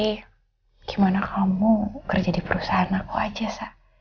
bagaimana kamu kerja di perusahaan aku aja sa